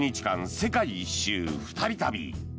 世界一周２人旅。